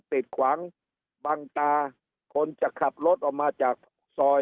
ติดขวางบังตาคนจะขับรถออกมาจากซอย